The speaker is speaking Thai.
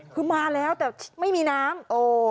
คือมาแล้วแต่ไม่มีน้ำ